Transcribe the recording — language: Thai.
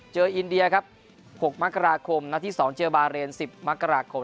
อินเดียครับ๖มกราคมนัดที่๒เจอบาเรน๑๐มกราคม